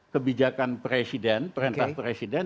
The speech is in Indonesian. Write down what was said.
kebijakan presiden perintah presiden